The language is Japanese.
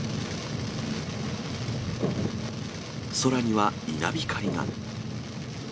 空には稲光が。